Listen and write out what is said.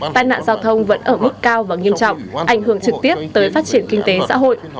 tai nạn giao thông vẫn ở mức cao và nghiêm trọng ảnh hưởng trực tiếp tới phát triển kinh tế xã hội